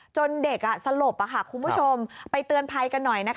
จนเด็กสลบคุณผู้ชมไปเตือนภัยกันหน่อย